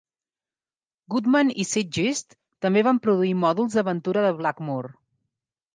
Goodman i Zeitgeist també van produir mòduls d'aventura de Blackmoor.